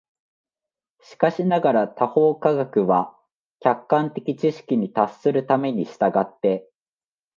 しかしながら他方科学は、その客観的知識に達するために、却って